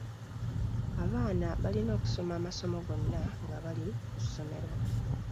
Abaana balina okusoma amasomo gonna nga bali ku ssomero.